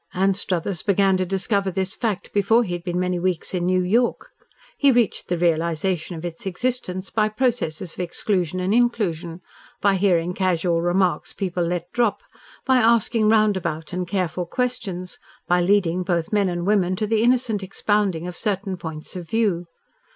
Anstruthers began to discover this fact before he had been many weeks in New York. He reached the realisation of its existence by processes of exclusion and inclusion, by hearing casual remarks people let drop, by asking roundabout and careful questions, by leading both men and women to the innocent expounding of certain points of view.